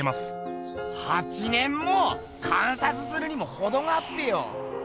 ８年も⁉観察するにもほどがあっぺよ！